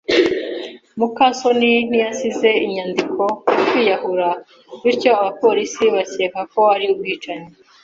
muka soni ntiyasize inyandiko yo kwiyahura, bityo abapolisi bakeka ko ari ubwicanyi.